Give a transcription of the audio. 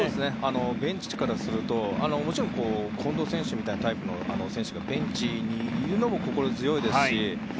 ベンチからすると近藤選手みたいなタイプの選手がベンチにいるのも心強いですし。